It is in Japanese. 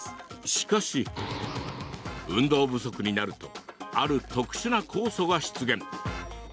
しかし、運動不足になるとある特殊な酵素が出現。